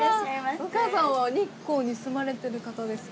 お母さんは日光に住まれてる方ですか？